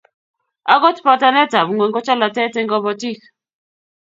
Agot botanetap ngwony ko cholatet eng kobotik